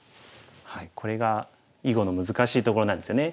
これが囲碁の難しいところなんですよね。